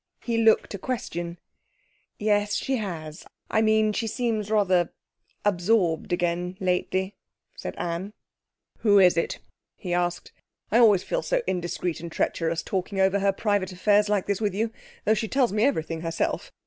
He looked a question. 'Yes, she has. I mean, she seems rather absorbed again lately,' said Anne. 'Who is it?' he asked. 'I always feel so indiscreet and treacherous talking over her private affairs like this with you, though she tells me everything herself.